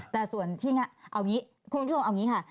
แต่ส่วนที่คุณผู้ชมเอาอย่างนี้ค่ะ